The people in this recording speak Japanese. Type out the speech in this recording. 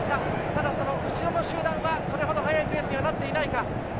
ただ、後ろの集団はそれほど速いペースにはなっていない。